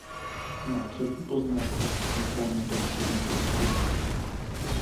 Má třetí poznámka se týká metodiky výpočtu.